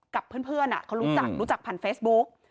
กับเพื่อนเขารู้จักรู้จักผ่านเฟซบุ๊ก